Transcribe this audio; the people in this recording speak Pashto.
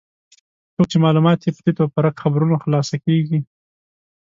څوک چې معلومات یې په تیت و پرک خبرونو خلاصه کېږي.